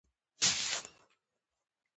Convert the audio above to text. تا هغه کږې کرښې ته وایې